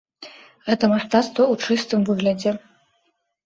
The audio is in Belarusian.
Гэта мастацтва ў чыстым выглядзе.